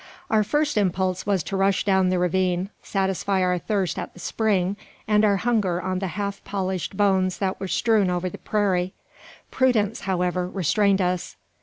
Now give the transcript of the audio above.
Our first impulse was to rush down the ravine, satisfy our thirst at the spring, and our hunger on the half polished bones that were strewed over the prairie. Prudence, however, restrained us.